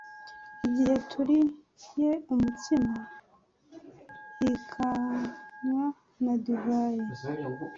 Igihe turiye umutsima hikanyva na divayi,